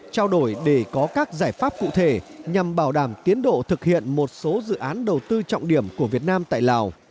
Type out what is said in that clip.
trao đổi để có các giải pháp cụ thể nhằm bảo đảm tiến độ thực hiện một số dự án đầu tư trọng điểm của việt nam tại lào